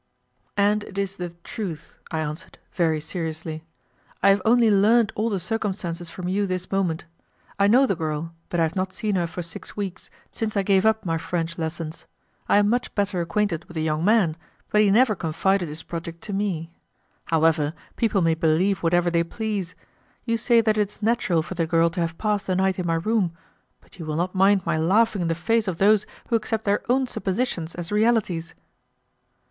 "And it is the truth," I answered, very seriously; "I have only learned all the circumstances from you this moment. I know the girl, but I have not seen her for six weeks, since I gave up my French lessons; I am much better acquainted with the young man, but he never confided his project to me. However, people may believe whatever they please. You say that it is natural for the girl to have passed the night in my room, but you will not mind my laughing in the face of those who accept their own suppositions as realities."